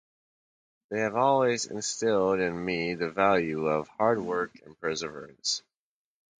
They have always instilled in me the value of hard work and perseverance.